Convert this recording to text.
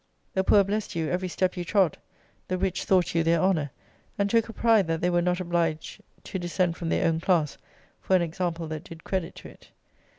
The poor blessed you every step you trod: the rich thought you their honour, and took a pride that they were not obliged to descend from their own class for an example that did credit to it.